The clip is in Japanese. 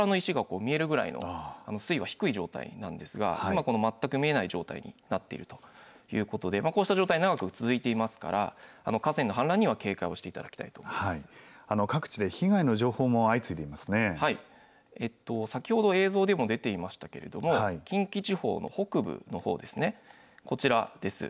この地点、ふだんは河原の石が見えるぐらいの水位は低い状態なんですが、今、この全く見えない状態になっているということで、こうした状態、長く続いていますから、河川の氾濫には警戒をしてい各地で被害の情報も相次いで先ほど映像でも出ていましたけれども、近畿地方の北部のほうですね、こちらです。